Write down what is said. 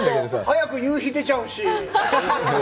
早く夕日が出ちゃうし。